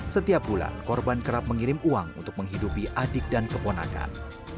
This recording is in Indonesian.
setiap bulan korban kerap mengirim uang untuk menghidupi adik dan keponakan